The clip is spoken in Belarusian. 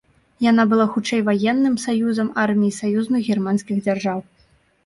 Яна была хутчэй ваенным саюзам армій саюзных германскіх дзяржаў.